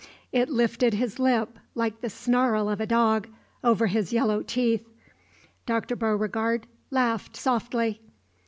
It lifted his lip, like the snarl of a dog, over his yellow teeth. Dr. Beauregard laughed softly.